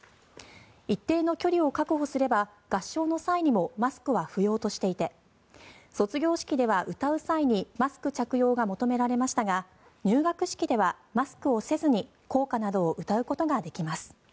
一定の距離を確保すれば合唱の際にもマスクは不要としていて卒業式では歌う際にマスク着用が求められましたが入学式ではマスクをせずに校歌などを歌うことができます。